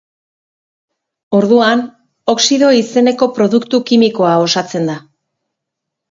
Orduan, oxido izeneko produktu kimikoa osatzen da.